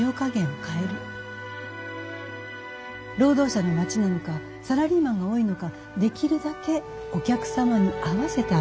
労働者の町なのかサラリーマンが多いのかできるだけお客様に合わせた味を心がける。